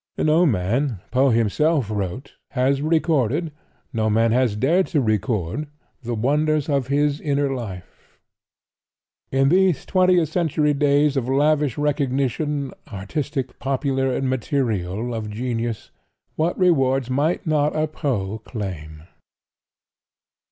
"No man," Poe himself wrote, "has recorded, no man has dared to record, the wonders of his inner life." In these twentieth century days—of lavish recognition—artistic, popular and material—of genius, what rewards might not a Poe claim!